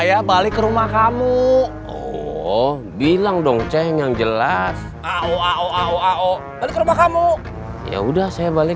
masa tidak ada hubungannya dengan konspirasi global